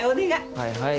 はいはい。